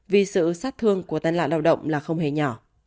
vì sự sát thương của tai nạn lao động là không hề nhỏ